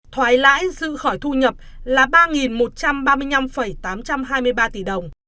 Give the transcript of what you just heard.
thoái lãi dư khỏi thu nhập là ba một trăm ba mươi năm tám trăm hai mươi ba tỷ đồng